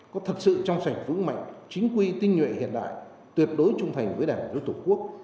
có thật sự trong sạch vững mạnh chính quy tinh nhuệ hiện đại tuyệt đối trung thành với đảng với tổ quốc